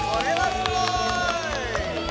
すごい！